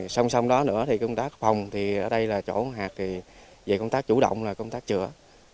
xong xong đó nữa thì công tác phòng ở đây là chỗ hạt về công tác chủ động là công tác chữa